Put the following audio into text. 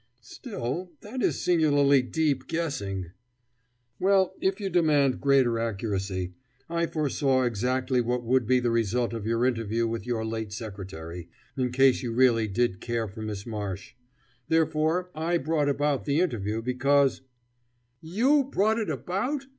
"Still, that is singularly deep guessing !" "Well, if you demand greater accuracy, I foresaw exactly what would be the result of your interview with your late secretary, in case you really did care for Miss Marsh. Therefore, I brought about the interview because " "You brought it about?"